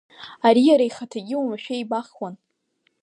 Ари иара ихаҭагьы уамашәа ибахуан.